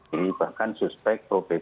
ini bahkan suspek covid sembilan belas